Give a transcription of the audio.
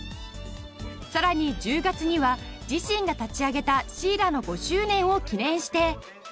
さらに１０月には自身が立ち上げたＣＲＲＡの５周年を記念して。